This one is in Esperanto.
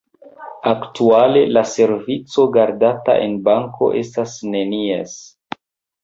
Aktuale la servico, gardata en banko, estas nenies.